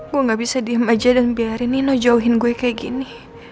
gue gak bisa diem aja dan biarin nino jauhin gue kayak gini